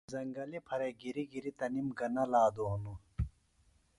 زنگلیۡ پھرےۡ گِریۡ گِریۡ تنِم گہ نہ لادوۡ ہِنوۡ